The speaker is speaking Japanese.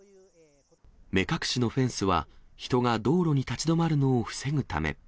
目隠しのフェンスは人が道路に立ち止まるのを防ぐため。